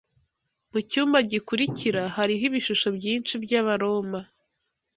Mucyumba gikurikira hariho ibishusho byinshi by'Abaroma.